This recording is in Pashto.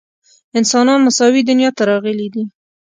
انسانان مساوي دنیا ته راغلي دي.